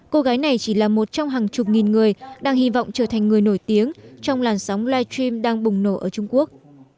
cô gái này chỉ là một trong hàng chục nghìn người đang hy vọng trở thành người nổi tiếng trong làn sóng live stream đang bùng nổ ở trung quốc